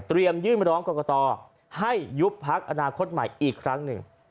ยื่นร้องกรกตให้ยุบพักอนาคตใหม่อีกครั้งหนึ่ง